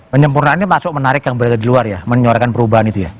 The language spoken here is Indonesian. penyempurnaan ini masuk menarik yang berada di luar ya menyuarakan perubahan itu ya